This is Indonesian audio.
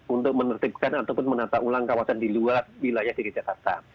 untuk menertibkan ataupun menata ulang kawasan di luar wilayah dki jakarta